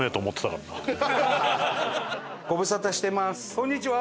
こんにちは！